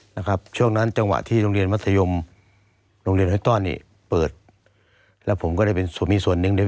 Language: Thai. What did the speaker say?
ยาท่าน้ำขาวไทยนครเพราะทุกการเดินทางของคุณจะมีแต่รอยยิ้ม